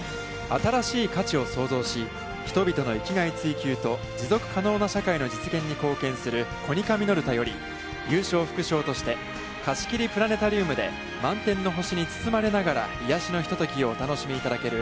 「新しい価値」を創造し、人々の生きがい追求と持続可能な社会の実現に貢献するコニカミノルタより、優勝副賞として、貸し切りプラネタリウムで満天の星に包まれながら癒しのひと時をお楽しみいただける